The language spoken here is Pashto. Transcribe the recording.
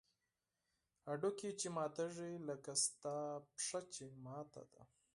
هډوکى چې ماتېږي لکه ستا پښه چې ماته ده.